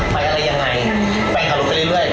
ไปอะไรยังไงแฟนขับรถไปเรื่อย